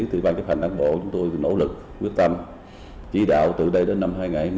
thì ban chấp hành đảng bộ chúng tôi nỗ lực quyết tâm chỉ đạo từ đây đến năm hai nghìn hai mươi